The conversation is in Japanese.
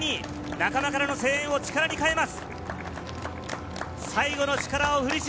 仲間からの声援を力に変えます。